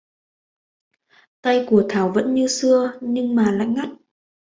tay của thảo vẫn như xưa nhưng mà lạnh ngắt